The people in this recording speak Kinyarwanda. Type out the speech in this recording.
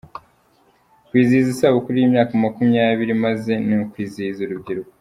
Kwizihiza isabukuru y’imyaka makumyabiri imaze ni ukwizihiza urubyiruko